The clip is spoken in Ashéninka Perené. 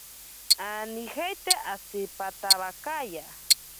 Anijeite atsipatabakaya.